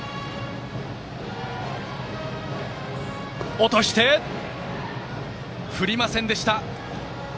落としたが振りませんでした。